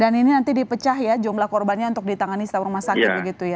dan ini nanti dipecah ya jumlah korbannya untuk ditangani setelah rumah sakit begitu ya